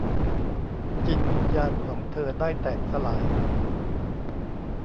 จิตวิญญาณของเธอได้แตกสลาย